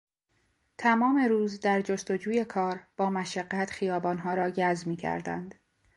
تمام روز در جستجوی کار با مشقت خیابانها را گز میکردند.